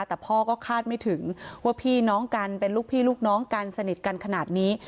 แต่พ่อก็คาดไม่ถึงว่าพี่น้องกันเป็นลูกพี่ลูกน้องกันสนิทกันขนาดนี้